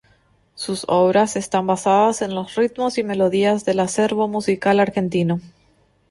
Sus obras están basadas en los ritmos y melodías del acervo musical argentino.